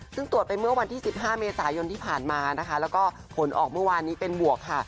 ซึ่งตรวจไปเมื่อวันที่๑๕เมษายนที่ผ่านมานะคะแล้วก็ผลออกเมื่อวานนี้เป็นบวกค่ะ